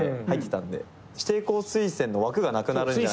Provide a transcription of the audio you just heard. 指定校推薦の枠がなくなるんじゃないかって。